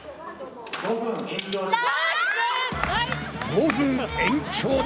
５分延長だ！